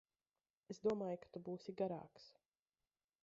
Es domāju, ka tu būsi garāks.